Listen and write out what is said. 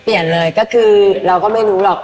เปลี่ยนเลยก็คือเราก็ไม่รู้หรอก